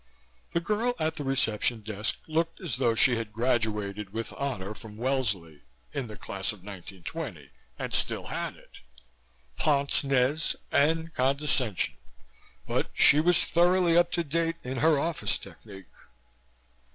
The girl at the reception desk looked as though she had graduated with honor from Wellesley in the class of 1920 and still had it pince nez and condescension but she was thoroughly up to date in her office technique.